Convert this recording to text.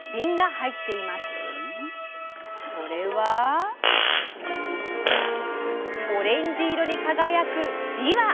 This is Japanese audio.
それはオレンジ色に輝くびわ！